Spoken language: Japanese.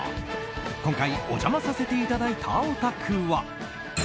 今回お邪魔させていただいたお宅は。